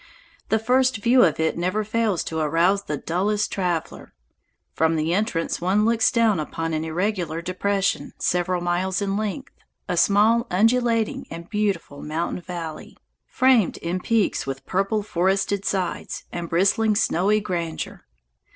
The first view of it never fails to arouse the dullest traveler. From the entrance one looks down upon an irregular depression, several miles in length, a small undulating and beautiful mountain valley, framed in peaks with purple forested sides and bristling snowy grandeur.